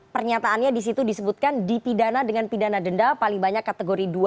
pernyataannya disitu disebutkan dipidana dengan pidana denda paling banyak kategori dua